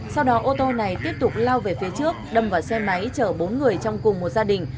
sau đó ô tô này tiếp tục lao về phía trước đâm vào xe máy chở bốn người trong cùng một gia đình